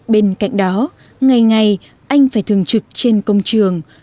bên cạnh đó ngày ngày anh phải thường trực trên công trường